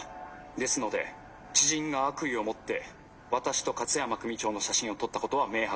ですので知人が悪意を持って私と勝山組長の写真を撮ったことは明白です。